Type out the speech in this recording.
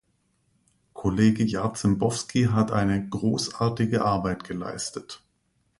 Kollege Jarzembowski hat eine großartige Arbeit geleistet.